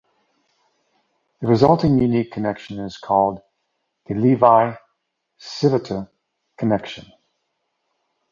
The resulting unique connection is called the Levi-Civita connection.